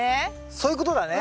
そういうことだね。